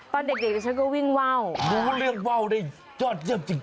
ตอนเด็กฉันก็วิ่งว่าวรู้เรื่องว่าวได้ยอดเยี่ยมจริง